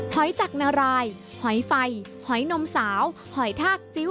หอยจากนารายหอยไฟหอยนมสาวหอยทากจิ้ว